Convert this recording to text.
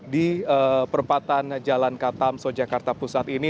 di perempatan jalan katam sojakarta pusat ini